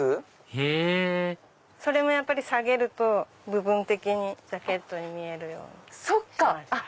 へぇそれも提げると部分的にジャケットに見えるようにしました。